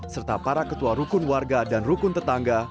serta para ketua rukun warga dan rukun tetangga